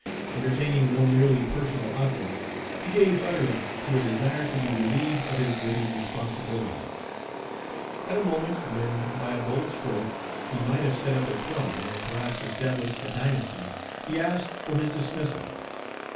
Entertaining no merely personal objects, he gave utterance to a desire to be relieved of his weighty responsibilities. At a moment Page 95 when, by a bold stroke, he might have set up a throne, and perhaps established a dynasty, he asked for his dismissal.